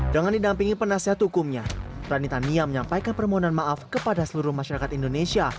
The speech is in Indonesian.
dengan didampingi penasihat hukumnya rani tania menyampaikan permohonan maaf kepada seluruh masyarakat indonesia